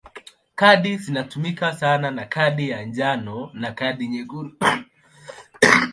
Kadi zinazotumika sana ni kadi ya njano na kadi nyekundu.